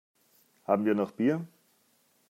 Haben wir noch Bier?